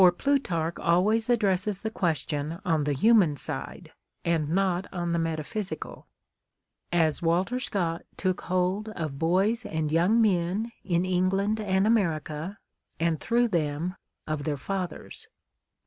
Plutarch always addresses the question on the human side, and not on the metaphysical ; as Walter Scott took hold of boys and young men, in England and America, and through them of their fathers.